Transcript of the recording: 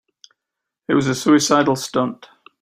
It was a suicidal stunt.